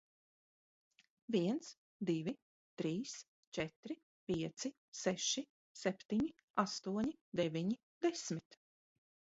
Viens, divi, trīs, četri, pieci, seši, septiņi, astoņi, deviņi, desmit.